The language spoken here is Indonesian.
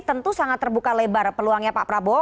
tentu sangat terbuka lebar peluangnya pak prabowo